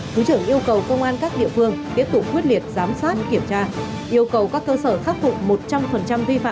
thứ trưởng yêu cầu công an các địa phương tiếp tục quyết liệt giám sát kiểm tra